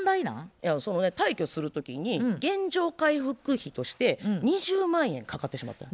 いやそのね退去する時に原状回復費として２０万円かかってしまったん。